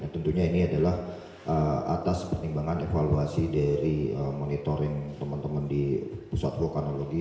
tentunya ini adalah atas pertimbangan evaluasi dari monitoring teman teman di pusat vulkanologi